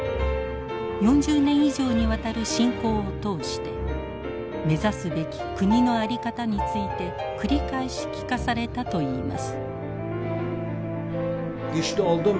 ４０年以上にわたる親交を通して目指すべき国の在り方について繰り返し聞かされたといいます。